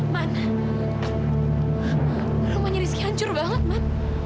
man rumahnya disini hancur banget man